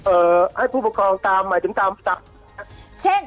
เอ่อให้ผู้ปกครองตามหมายถึงตามเช่น